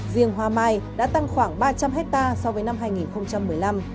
riêng hoa mai đã tăng khoảng ba trăm linh hectare so với năm hai nghìn một mươi năm